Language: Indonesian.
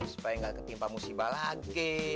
supaya nggak ketimpa musibah lagi